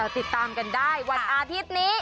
ติดตามกันได้วันอาทิตย์นี้